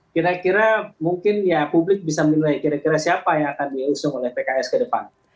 kira kira mungkin ya publik bisa menilai kira kira siapa yang akan diusung oleh pks ke depan